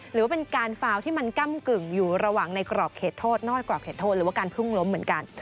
หรือว่าเป็นการฟาวที่มันก้ำกึ่งอยู่ระหว่างในกรอบเขตโทษนอกกรอบเขตโทษหรือว่าการพึ่งล้มเหมือนกัน